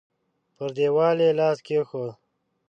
پر دېوال يې لاس کېښود.